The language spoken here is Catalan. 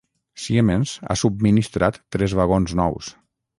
Siemens ha subministrat tres vagons nous.